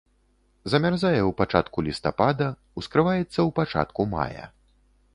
Замярзае ў пачатку лістапада, ускрываецца ў пачатку мая.